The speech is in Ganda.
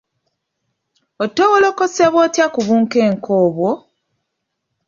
Otowoolokosebwa otya ku bunkenke obwo?